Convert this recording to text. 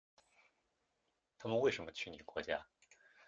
他们为什么去你国家？